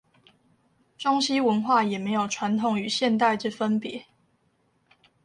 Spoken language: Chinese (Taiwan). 中西文化也沒有傳統與現代之分別